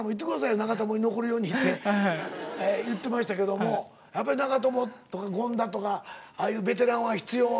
長友に残るように」って言ってましたけどもやっぱり長友とか権田とかああいうベテランは必要？